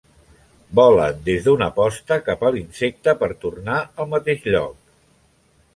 Volen des d'una posta cap a l'insecte per a tornar al mateix lloc.